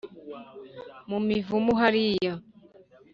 mu mivumu hariya!